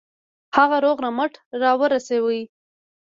هغه روغ رمټ را ورسوي.